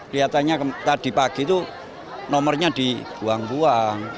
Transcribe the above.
kelihatannya tadi pagi itu nomornya dibuang buang